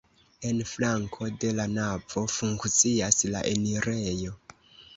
En flanko de la navo funkcias la enirejo.